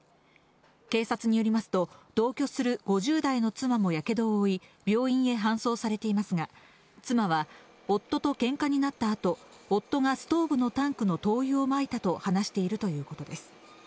警察によりますと、同居する５０代の妻もやけどを負い、病院へ搬送されていますが、妻は夫とけんかになったあと、夫がストーブのタンクの灯油をまいたと話しているということです。